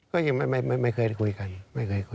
ก็ยังไม่เคยคุยกันไม่เคยคุยกัน